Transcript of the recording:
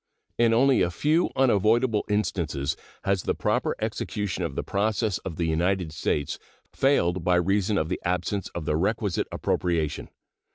In only a few unavoidable instances has the proper execution of the process of the United States failed by reason of the absence of the requisite appropriation.